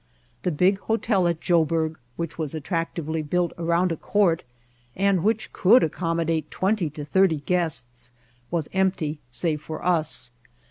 The big hotel at Joburg, which was attractively built around a court and which could accommodate twenty to thirty guests, was empty save for us.